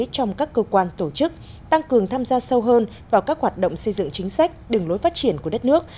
trong các cơ quan tổ chức tăng cường tham gia sâu hơn vào các hoạt động xây dựng chính sách đường lối phát triển của đất nước